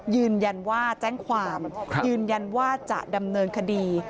ยืนยันว่าแจ้งความยืนยันว่าจะดำเนินคดี